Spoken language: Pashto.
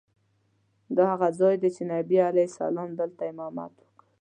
دا هغه ځای دی چې نبي علیه السلام دلته امامت وکړ.